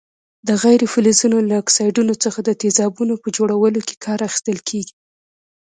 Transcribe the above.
د غیر فلزونو له اکسایډونو څخه د تیزابونو په جوړولو کې کار اخیستل کیږي.